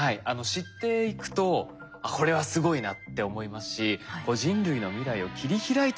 知っていくとあっこれはすごいなって思いますし人類の未来を切り開いてくれるかも。